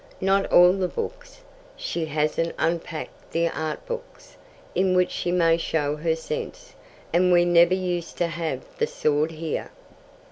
" "Not all the books. She hasn't unpacked the Art Books, in which she may show her sense. And we never used to have the sword here."